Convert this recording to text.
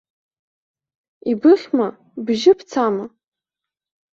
Ибыхьма, бжьы бцама?